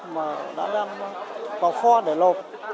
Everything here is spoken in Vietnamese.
mà đã đem vào kho để lọc